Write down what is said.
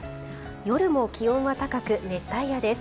夜も気温は高く熱帯夜です。